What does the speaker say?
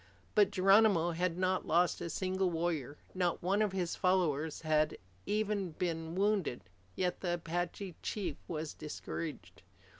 But Geronimo had not lost a single warrior. Not one of his followers had even been wounded. Yet the Apache chief was discouraged.